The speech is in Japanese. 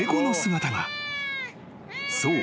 ［そう。